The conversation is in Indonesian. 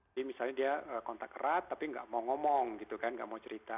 jadi misalnya dia kontak kerat tapi gak mau ngomong gitu kan gak mau cerita